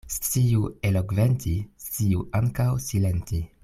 Sciu elokventi, sciu ankaŭ silenti.